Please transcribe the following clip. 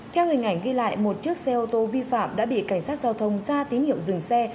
theo hình ảnh ghi lại một chiếc xe ô tô vi phạm đã bị cảnh sát giao thông ra tín hiệu dừng xe